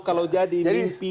kalau jadi mimpi